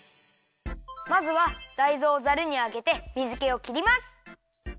まずはだいずをザルにあげて水けをきります。